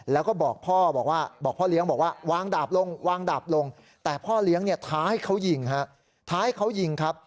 แล้วก็บอกพ่อเลี้ยงวางดาบลงแต่พ่อเลี้ยงท้าให้เขาหยิงครับ